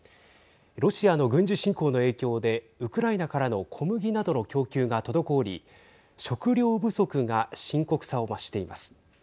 ロシアの軍事侵攻の影響でウクライナからの小麦などの供給が滞り食料不足が深刻さを増しています。